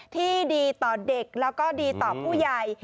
ที่ดีต่อเด็กแล้วก็ดีต่อผู้ใหญ่